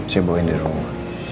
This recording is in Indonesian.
saya bawain di rumah